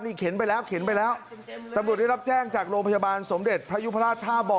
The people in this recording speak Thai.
นี่เข็นไปแล้วเข็นไปแล้วตำรวจได้รับแจ้งจากโรงพยาบาลสมเด็จพระยุพราชท่าบ่อ